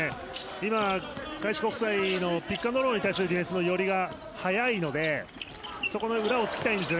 今、開志国際のピック・アンド・ロールに対するディフェンスの寄りが早いのでそこの裏を突きたいんですね。